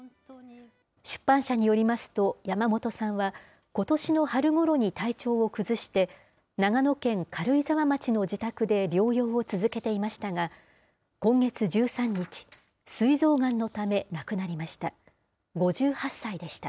出版社によりますと、山本さんは、ことしの春ごろに体調を崩して長野県軽井沢町の自宅で療養を続けていましたが、今月１３日、すい臓がんのため亡くなりました。